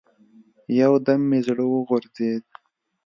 يو دم مې زړه وغورځېد.